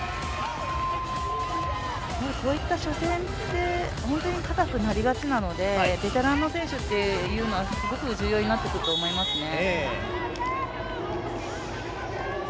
こういった初戦って本当に硬くなりがちなのでベテランの選手はすごく重要になってくると思いますね。